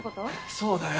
そうだよ。